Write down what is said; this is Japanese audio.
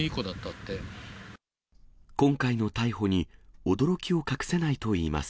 今回の逮捕に驚きを隠せないといいます。